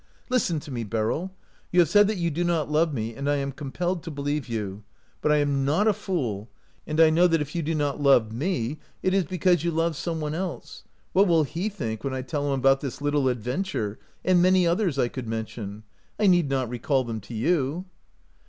Listen to me, Beryl : you have said that you do not love me, and I am compelled to be lieve you ; but I am not a fool, and I know that if you do not love me it is because you love some one else. What will he think when I tell him about this little adventure, and many others I could mention? I need not recall them to you."